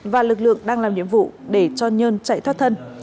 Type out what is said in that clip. và lực lượng đang làm nhiệm vụ để cho nhân chạy thoát thân